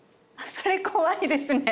それ怖いですね！